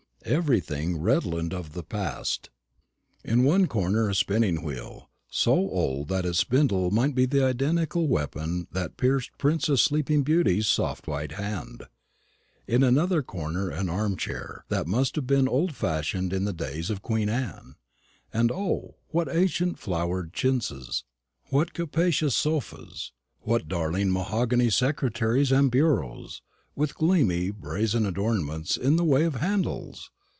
everything redolent of the past. In one corner a spinning wheel, so old that its spindle might be the identical weapon that pierced Princess Sleeping Beauty's soft white hand; in another corner an arm chair that must have been old fashioned in the days of Queen Anne; and O, what ancient flowered chintzes, what capacious sofas, what darling mahogany secretaries and bureaus, with gleaming brazen adornments in the way of handles!